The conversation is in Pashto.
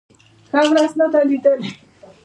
ښه ورځ نه ده لېدلې.